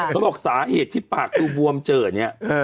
เขาบอกสาเหตุที่ปากดูบวมเจอเนี่ย